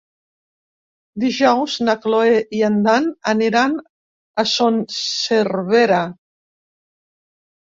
Dijous na Cloè i en Dan aniran a Son Servera.